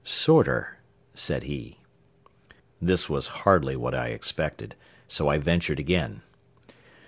"Sorter," said he. This was hardly what I expected, so I ventured again.